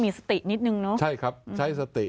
มีสตินิดนึงเนอะใช่ครับใช้สติ